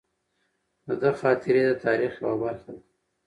د ده خاطرې د تاریخ یوه برخه ده.